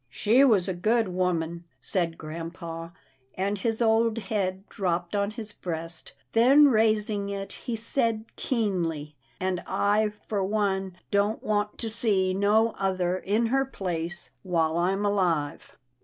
" She was a good woman," said grampa, and his old head dropped on his breast. Then, raising it, he said keenly, " and I for one don't want to see no other in her place while I'm alive."